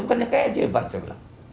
bukannya kaya jebak saya bilang